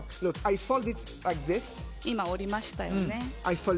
今、折りましたよね。